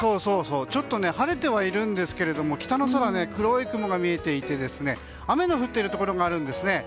ちょっと晴れてはいるんですけど北の空、黒い雲が見えていて雨の降っているところがあるんですね。